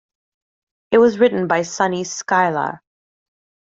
It was written by Sunny Skylar.